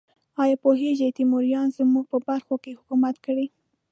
ایا پوهیږئ تیموریانو زموږ په برخو کې حکومت کړی؟